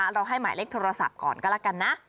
เราให้หมายเลขโทรศัพท์ก่อนก็แล้วกันนะ